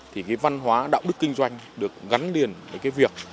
thì cái văn hóa đạo đức kinh doanh được gắn liền với cái việc